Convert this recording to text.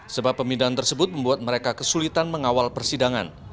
sebab pemindahan tersebut membuat mereka kesulitan mengawal persidangan